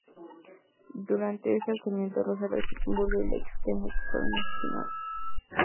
Durante ese alzamiento, Rosa Luxemburgo y Liebknecht fueron asesinados.